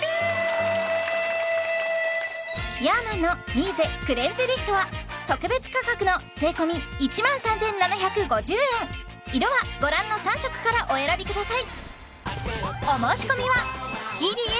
ヤーマンのミーゼクレンズリフトは特別価格の税込１万３７５０円色はご覧の３色からお選びください